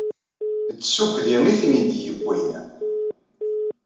D tuggdi i ten-id-yewwin.